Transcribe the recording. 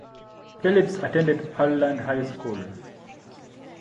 Phillips attended Pearland High School.